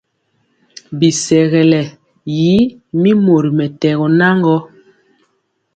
Bisɛlege y mi mori mɛtɛgɔ nan gɔ.